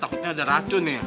takutnya ada racun ya